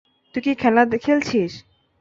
তুই কি খেলা খেলছিস?